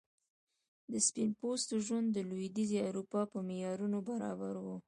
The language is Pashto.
د سپین پوستو ژوند د لوېدیځي اروپا په معیارونو برابر و.